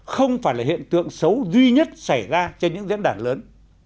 không phải là hiện tượng xấu duy nhất xảy ra trên những diễn đàn lớn